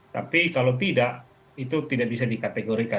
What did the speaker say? tapi kalau tidak itu tidak bisa dikategorikan